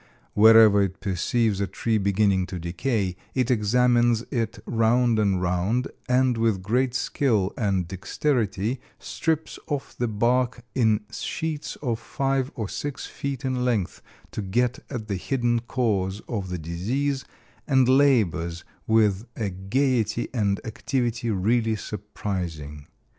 Wherever it perceives a tree beginning to decay, it examines it round and round and with great skill and dexterity strips off the bark in sheets of five or six feet in length, to get at the hidden cause of the disease, and labors with a gayety and activity really surprising.